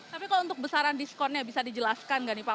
tapi kalau untuk besaran diskonnya bisa dijelaskan nggak nih pak